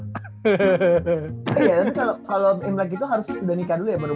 kalau yang lagi itu harusnya udah nikah dulu ya